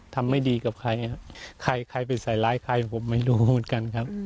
ไม่ดีกับใครครับใครใครไปใส่ร้ายใครผมไม่รู้เหมือนกันครับ